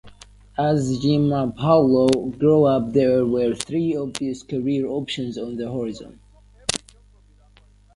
As Giampaolo grew up there were three obvious career options on the horizon.